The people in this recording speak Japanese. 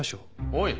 おい。